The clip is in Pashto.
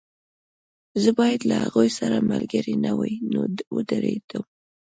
زه باید له هغوی سره ملګری نه وای نو ودرېدم